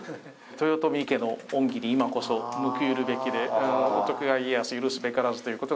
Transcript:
「豊臣家の恩義に今こそ報いるべきで徳川家康許すべからず」という事がずっと書いてあると思うんですが。